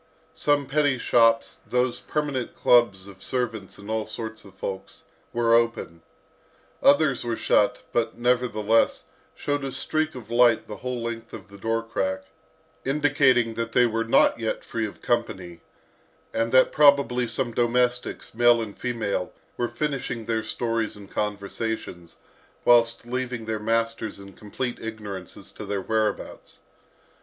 Some petty shops, those permanent clubs of servants and all sorts of folks, were open. Others were shut, but, nevertheless, showed a streak of light the whole length of the door crack, indicating that they were not yet free of company, and that probably some domestics, male and female, were finishing their stories and conversations, whilst leaving their masters in complete ignorance as to their whereabouts.